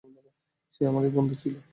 সে আমার বন্ধু ছিল।